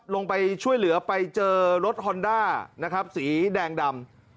ลงไปช่วยเหลือไปเจอรถฮอนด้านะครับสีแดงดำ